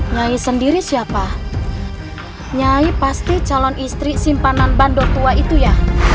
nyai sendiri siapa nyai pasti calon istri simpanan bandor tua itu ya